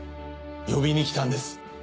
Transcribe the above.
呼びに来たんです。